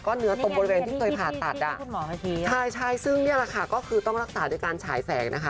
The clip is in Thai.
เนื้อตรงบริเวณที่เคยผ่าตัดอ่ะใช่ใช่ซึ่งนี่แหละค่ะก็คือต้องรักษาด้วยการฉายแสงนะคะ